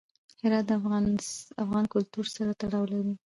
هرات د افغان کلتور سره تړاو لري.